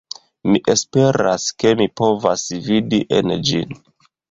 Mi esperas, ke mi povas vidi en ĝin